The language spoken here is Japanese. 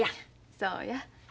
そうや。